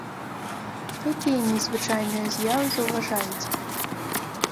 Якія незвычайныя з'явы заўважаеце?